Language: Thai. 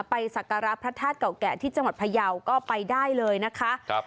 สักการะพระธาตุเก่าแก่ที่จังหวัดพยาวก็ไปได้เลยนะคะ